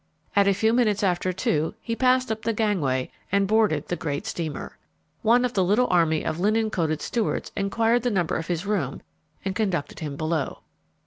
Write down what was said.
At a few minutes after two, he passed up the gangway and boarded the great steamer. One of the little army of linen coated stewards enquired the number of his room and conducted him below.